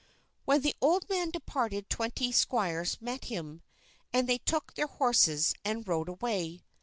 When the old man departed twenty squires met him, and they took their horses and rode away.